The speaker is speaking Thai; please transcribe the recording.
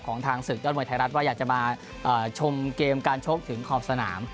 ทางศึกยอดมวยไทยรัฐว่าอยากจะมาชมเกมการชกถึงขอบสนาม